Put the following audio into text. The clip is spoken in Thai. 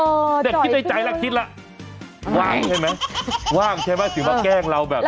เนี่ยคิดในใจแล้วคิดแล้วว่างใช่ไหมว่างใช่ไหมถึงมาแกล้งเราแบบ